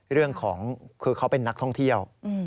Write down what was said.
เรื่องของคือเขาเป็นนักท่องเที่ยว